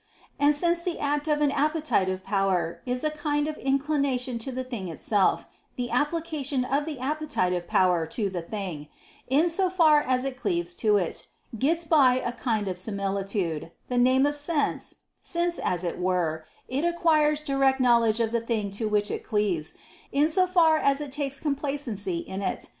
And since the act of an appetitive power is a kind of inclination to the thing itself, the application of the appetitive power to the thing, in so far as it cleaves to it, gets by a kind of similitude, the name of sense, since, as it were, it acquires direct knowledge of the thing to which it cleaves, in so far as it takes complacency in it.